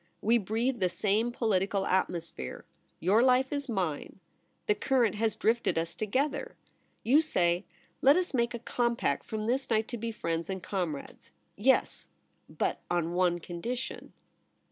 We breathe the same political atmosphere. Your life is mine. The current has drifted us together. You say, " Let us make a com pact from this night to be friends and com rades." Yes ; but on one condition.'